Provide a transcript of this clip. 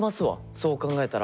そう考えたら。